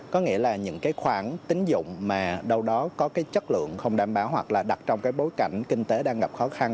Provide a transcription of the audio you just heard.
có nghĩa là những cái khoản tính dụng mà đâu đó có cái chất lượng không đảm bảo hoặc là đặt trong cái bối cảnh kinh tế đang gặp khó khăn